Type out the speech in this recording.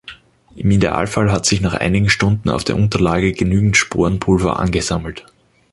Im Idealfall hat sich nach einigen Stunden auf der Unterlage genügend Sporenpulver angesammelt.